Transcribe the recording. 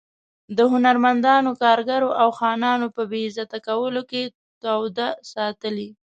د هنرمندانو، کارګرو او خانانو په بې عزته کولو کې توده ساتلې.